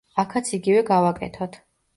აქაც იგივე გავაკეთოთ.